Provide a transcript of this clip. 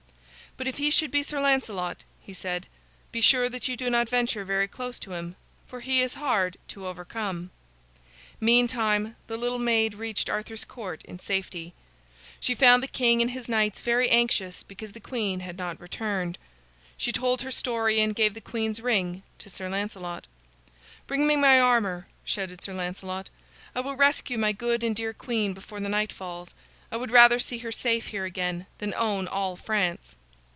"But if he should be Sir Lancelot," he said, "be sure that you do not venture very close to him, for he is hard to overcome." Meantime the little maid reached Arthur's Court in safety. She found the king and his knights very anxious because the queen had not returned. She told her story, and gave the queen's ring to Sir Lancelot. "Bring me my armor!" shouted Sir Lancelot. "I will rescue my good and dear queen before the night falls. I would rather see her safe here again than own all France."